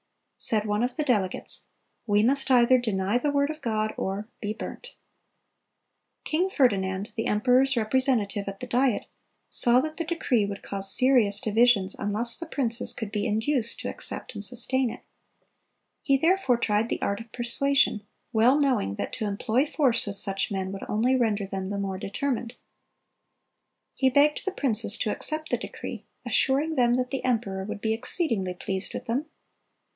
Said one of the delegates, "We must either deny the word of God, or—be burnt."(292) King Ferdinand, the emperor's representative at the Diet, saw that the decree would cause serious divisions unless the princes could be induced to accept and sustain it. He therefore tried the art of persuasion, well knowing that to employ force with such men would only render them the more determined. He "begged the princes to accept the decree, assuring them that the emperor would be exceedingly pleased with them."